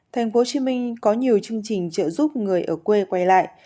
tp hcm có nhiều chương trình trợ giúp người ở quê quay lại